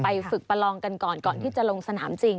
ฝึกประลองกันก่อนก่อนที่จะลงสนามจริง